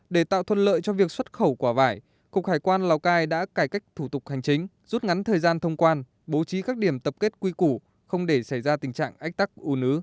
để tạo thuận lợi cho việc xuất khẩu quả vải cục hải quan lào cai đã cải cách thủ tục hành chính rút ngắn thời gian thông quan bố trí các điểm tập kết quy củ không để xảy ra tình trạng ách tắc u nứ